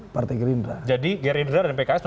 partai gerindra jadi gerindra dan pks